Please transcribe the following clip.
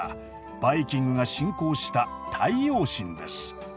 バイキングが信仰した太陽神です。